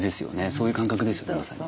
そういう感覚ですよねまさに。